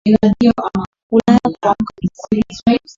Kulala kuamka ni kwa neema.